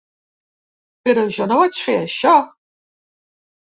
Però jo no vaig fer això.